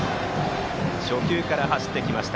初球から走ってきました。